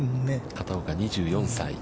片岡、２４歳。